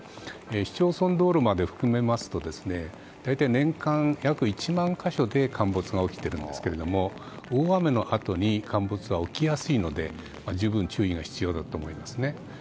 市町村道路まで含めますと大体、年間約１万か所で陥没が起きているんですけども大雨のあとに陥没は起きやすいので十分注意が必要だと思いますね。